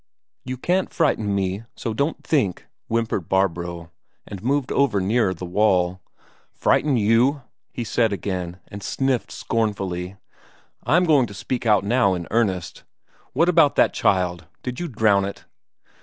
"You can't frighten me, so don't think," whimpered Barbro, and moved over nearer the wall. "Frighten you?" he said again, and sniffed scornfully. "I'm going to speak out now in earnest. What about that child? Did you drown it?"